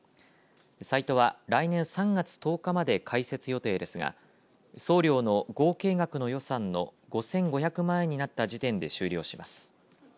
サイトは来年３月１０日まで開設予定ですが送料の合計額の予算の５５００万円になった時点で終了します。